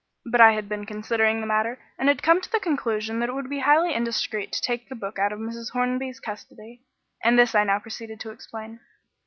But I had been considering the matter, and had come to the conclusion that it would be highly indiscreet to take the book out of Mrs. Hornby's custody, and this I now proceeded to explain.